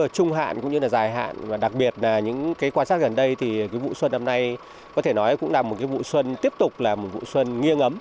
trung hạn cũng như là dài hạn và đặc biệt là những quan sát gần đây thì cái vụ xuân năm nay có thể nói cũng là một vụ xuân tiếp tục là một vụ xuân nghiêng ấm